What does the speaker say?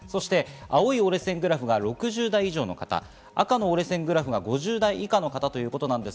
青い折れ線グラフが６０代以上の方、赤の折れ線グラフは５０代以下の方です。